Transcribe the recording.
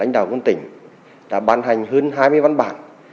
lãnh đạo quân tỉnh đã ban hành hơn hai mươi văn bản